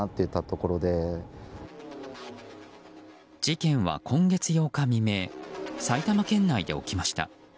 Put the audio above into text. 事件は今月８日未明埼玉県内で起きました。